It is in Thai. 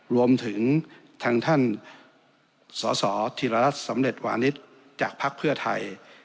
รวมถึงทางท่านสสธิรรัฐสำเร็จวานิสจากภักดิ์เพื่อไทย